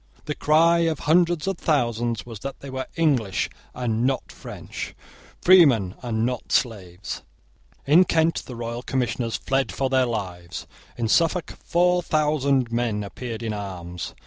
The cry of hundreds of thousands was that they were English and not French, freemen and not slaves. In Kent the royal commissioners fled for their lives. In Suffolk four thousand men appeared in arms.